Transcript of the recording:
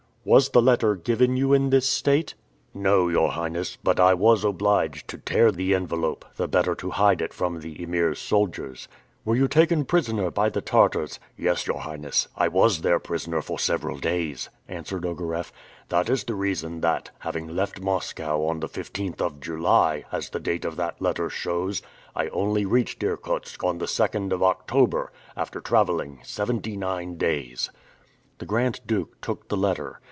"Was the letter given you in this state?" "No, your Highness, but I was obliged to tear the envelope, the better to hide it from the Emir's soldiers." "Were you taken prisoner by the Tartars?" "Yes, your Highness, I was their prisoner for several days," answered Ogareff. "That is the reason that, having left Moscow on the 15th of July, as the date of that letter shows, I only reached Irkutsk on the 2d of October, after traveling seventy nine days." The Grand Duke took the letter.